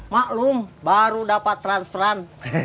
maklum baru dapat transperan